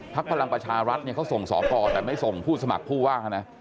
พลังประชารัฐเนี่ยเขาส่งสอกรแต่ไม่ส่งผู้สมัครผู้ว่านะ